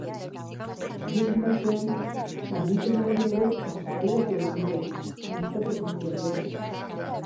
Bien bitartean, kamioiko gidaria ere ospitaleratu egin dute, antsietate krisiak jota.